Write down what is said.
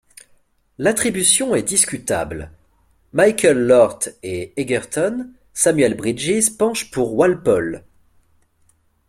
L'attribution est discutable: Michael Lort et Egerton, Samuel Brydges penchent pour Walpole.